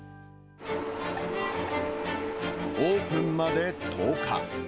オープンまで１０日。